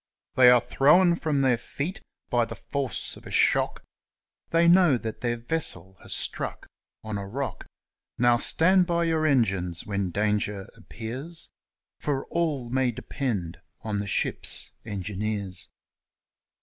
They are thrown from their feet by the force of a shock; They know that their vessel has struck on a rock. Now stand by your engines when danger appears, For all may depend on the ship's engineers!